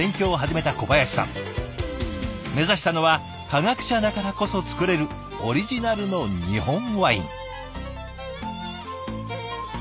目指したのは科学者だからこそ造れるオリジナルの日本ワイン。